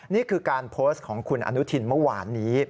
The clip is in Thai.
นี่คือการโพสต์ของคุณอนุทินเมื่อวานนี้